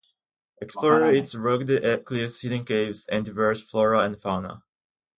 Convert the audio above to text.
Explore its rugged cliffs, hidden caves, and diverse flora and fauna.